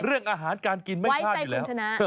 เรื่องอาหารการกินไม่พลาดอยู่แล้วไว้ใจคุณชนะ